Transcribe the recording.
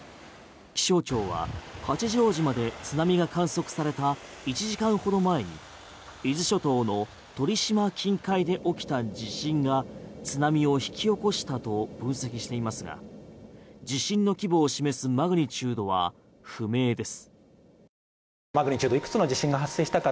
気象庁は八丈島で津波が観測された１時間ほど前に伊豆諸島の鳥島近海で起きた地震が津波を引き起こしたと分析していますが地震の規模を示すマグニチュードは不明です。